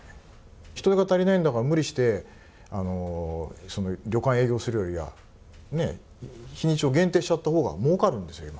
人手が足りないんだから無理して旅館営業するよりはね日にちを限定しちゃったほうがもうかるんですよ、今。